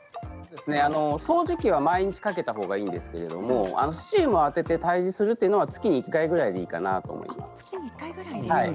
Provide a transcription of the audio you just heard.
掃除機は毎日かけたほうがいいんですけれどスチームを当てて退治するのは月に１回くらいでいいかなと思います。